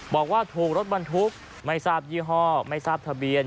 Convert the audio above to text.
บอกว่าถูกรถบรรทุกไม่ทราบยี่ห้อไม่ทราบทะเบียน